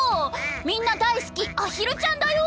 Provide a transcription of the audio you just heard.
みんな大好きアヒルちゃんだよ。